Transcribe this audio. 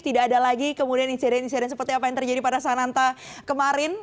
tidak ada lagi kemudian insiden insiden seperti apa yang terjadi pada sananta kemarin